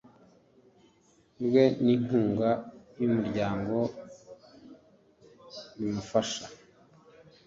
rwe n inkunga y umuryango bimufasha